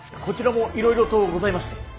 こちらもいろいろとございまして。